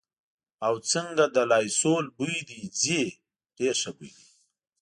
او، څنګه د لایسول بوی دې ځي، ډېر ښه بوی دی.